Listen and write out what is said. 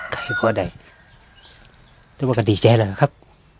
ใครก็ได้ถือว่าก็ดีใจแล้วนะครับ